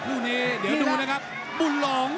คู่นี้เดี๋ยวดูนะครับบุญหลง